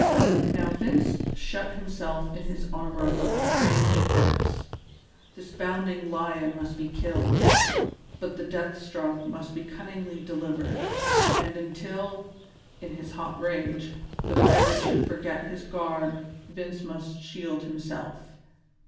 Now Vince shut himself in his armour of trained defence; this bounding lion must be killed, but the death stroke must be cunningly delivered, and until, in his hot rage, the pirate should forget his guard Vince must shield himself.